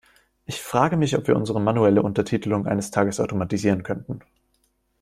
Ich frage mich, ob wir unsere manuelle Untertitelung eines Tages automatisieren könnten.